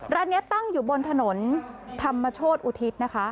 ร้านนี้ตั้งอยู่บนถนนธรรมโชธอุทิศนะคะ